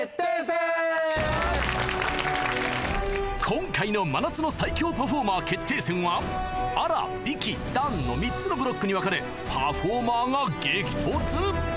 今回の真夏の最強パフォーマー決定戦は「あら」「びき」「団」の３つのブロックに分かれパフォーマーが激突！